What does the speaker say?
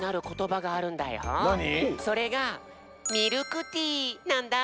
それが「ミルクティー」なんだ！